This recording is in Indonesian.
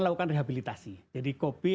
lakukan rehabilitasi jadi kopi